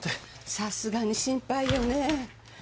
さすがに心配よね。